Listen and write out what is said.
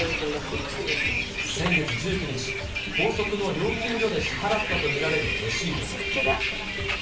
先月１９日、高速の料金所で支払ったと見られるレシートも。